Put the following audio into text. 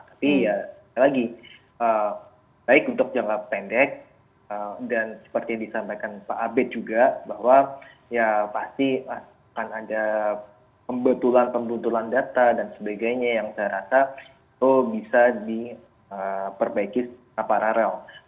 tapi ya lagi baik untuk jangka pendek dan seperti yang disampaikan pak abed juga bahwa ya pasti akan ada pembentulan pembentulan data dan sebagainya yang saya rasa itu bisa diperbaiki secara paralel